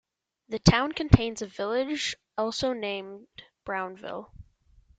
The town contains a village also named Brownville.